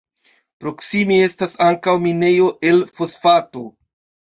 Proksime estas ankaŭ minejo el fosfato.